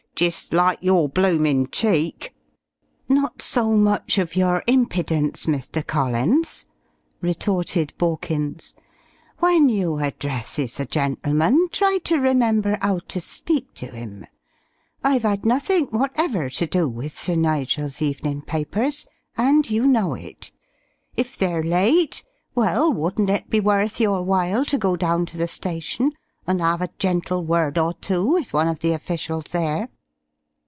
Jist like your bloomin' cheek!" "Not so much of your impidence, Mr. Collins," retorted Borkins. "When you h'addresses a gentleman try to remember 'ow to speak to 'im. I've 'ad nothink whatever to do with Sir Nigel's evenin' papers, and you know it. If they're late, well, wouldn't it be worth your while to go down to the station and 'ave a gentle word or two with one of the officials there?"